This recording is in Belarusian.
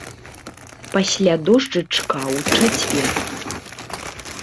Пасля дожджычка ў чацвер.